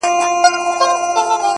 • لا یې ځای نه وو معلوم د کوم وطن وو,